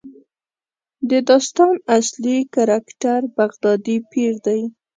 د داستان اصلي کرکټر بغدادي پیر دی.